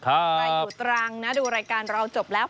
ใครอยู่ตรังนะดูรายการเราจบแล้ว